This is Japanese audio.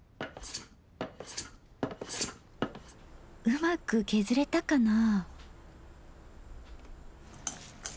うまく削れたかな。